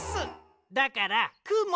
だからくも！